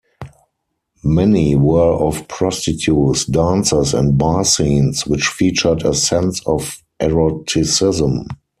Many were of prostitutes, dancers and bar scenes, which featured a sense of eroticism.